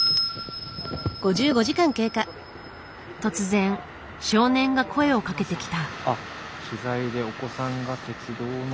突然少年が声をかけてきた。